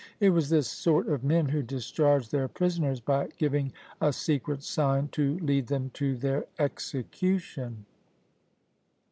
It was this sort of men who discharged their prisoners by giving a secret sign to lead them to their execution!